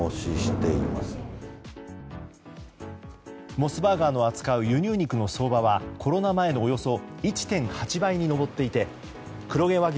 モスバーガーの扱う輸入肉の相場はコロナ前のおよそ１．８倍に上っていて黒毛和牛